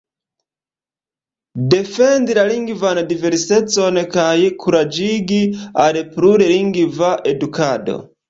Defendi la lingvan diversecon kaj kuraĝigi al plur-lingva edukado.